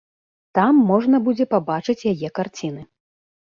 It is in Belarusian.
Там можна будзе пабачыць яе карціны.